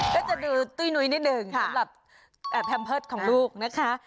ก็จะดูตุ้ยนุ้ยนิดหนึ่งสำหรับแพมเพิร์ตของลูกนะคะ